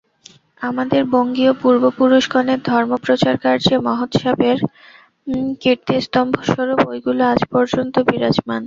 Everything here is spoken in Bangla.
আমাদের বঙ্গীয় পূর্বপুরুষগণের ধর্মপ্রচারকার্যে মহোৎসাহের কীর্তিস্তম্ভস্বরূপ ঐগুলি আজ পর্যন্ত বিরাজমান।